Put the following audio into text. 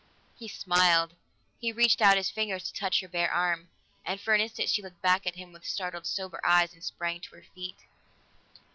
He smiled; he reached out his fingers to touch her bare arm, and for an instant she looked back at him with startled, sober eyes, and sprang to her feet.